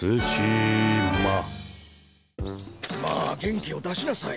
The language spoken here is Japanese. まあ元気を出しなさい。